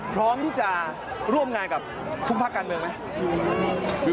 พร้อมที่จะร่วมงานกับทุกภาคการเมืองไหม